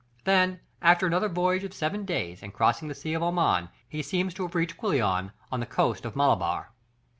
Then, after another voyage of seven days and crossing the Sea of Oman, he seems to have reached Quilon on the coast of Malabar.